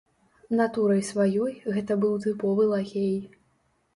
Натурай сваёй гэта быў тыповы лакей.